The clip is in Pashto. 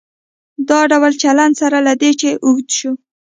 دا ډول چلن سره له دې چې اوږد شو.